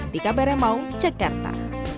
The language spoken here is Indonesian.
di kabar yang mau cekerta